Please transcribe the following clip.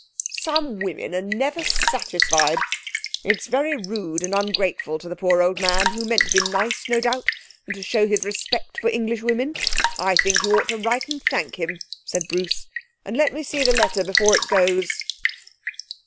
'Some women are never satisfied. It's very rude and ungrateful to the poor old man, who meant to be nice, no doubt, and to show his respect for Englishwomen. I think you ought to write and thank him,' said Bruce. 'And let me see the letter before it goes.'